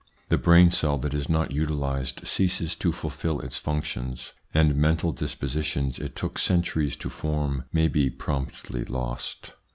The brain cell that is not utilised ceases to fulfil its functions, and mental dispositions it took centuries to form may be promptly lost.